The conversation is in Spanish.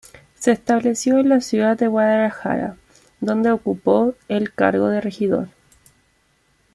Se estableció en la ciudad de Guadalajara donde ocupó el cargo de regidor.